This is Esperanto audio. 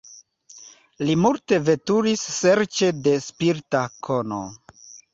Li multe veturis serĉe de spirita kono.